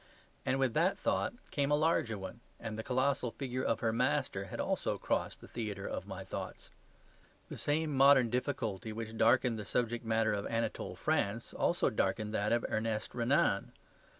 And with that thought came a larger one, and the colossal figure of her Master had also crossed the theatre of my thoughts. The same modern difficulty which darkened the subject matter of Anatole France also darkened that of Ernest Renan.